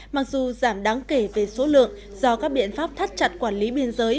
mặc dù giảm đáng kể về số lượng do các biện pháp thắt chặt quản lý biên giới